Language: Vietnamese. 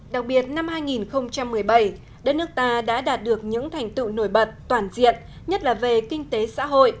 đặc biệt năm hai nghìn một mươi bảy đất nước ta đã đạt được những thành tựu nổi bật toàn diện nhất là về kinh tế xã hội